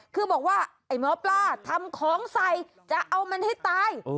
คือบอกว่าไอ้หมอปลาทำของใส่จะเอามันให้ตาย